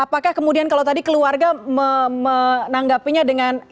apakah kemudian kalau tadi keluarga menanggapinya dengan